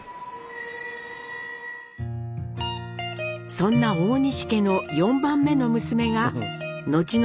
そんな大西家の４番目の娘が後の智人の母・妙子。